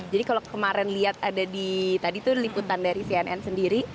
jadi kalau kemarin lihat ada di tadi tuh liputan dari cnn sendiri